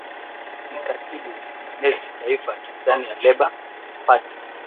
ni katibu mwenezi taifa tanzania labour party